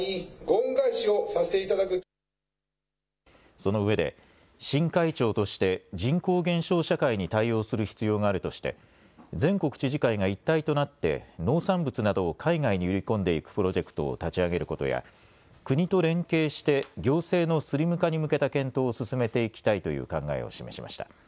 そのうえで新会長として人口減少社会に対応する必要があるとして全国知事会が一体となって農産物などを海外に売り込んでいくプロジェクトを立ち上げることや、国と連携して行政のスリム化に向けた検討を進めていきたいという考えを示しました。